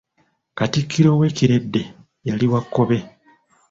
Katikkiro we Kiridde yali wa Kkobe.